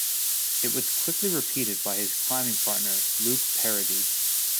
It was quickly repeated by his climbing partner Luke Parady.